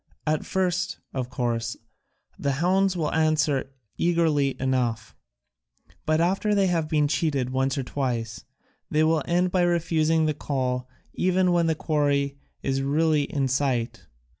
At first, of course, the hounds will answer eagerly enough, but after they have been cheated once or twice they will end by refusing the call even when the quarry is really in sight.